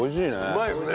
うまいですね。